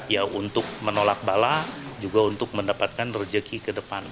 ya untuk menolak bala juga untuk mendapatkan rejeki ke depan